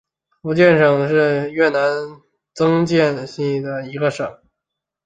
福隆省是越南曾经设立的一个省。